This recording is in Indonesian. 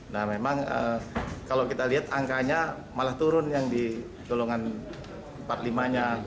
nah memang kalau kita lihat angkanya malah turun yang di golongan empat limanya